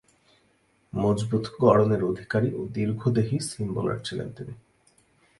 মজবুত গড়নের অধিকারী ও দীর্ঘদেহী সিম বোলার ছিলেন তিনি।